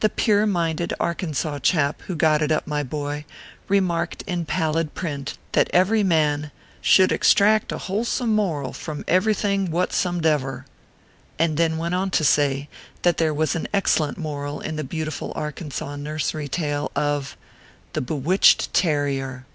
The pure minded Arkansaw chap who got it up, my boy, remarked in pallid print, that every man " should extract a wholesome moral from everything whatsomedever," and then went on to say that there was an excellent moral in the beautiful Arkansaw nursery tale of ORPHEUS C. KERR PAPERS. 295 THE BEWITCHED TARRIER.